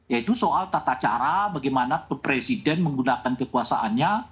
yaitu soal tata cara bagaimana presiden menggunakan kekuasaannya